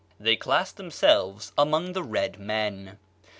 They classed themselves among the red men.